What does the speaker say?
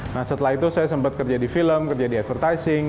nah setelah itu saya sempat kerja di film kerja di advertising